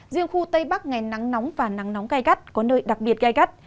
riêng khu tây bắc ngày nắng nóng và nắng nóng gai gắt có nơi đặc biệt gai gắt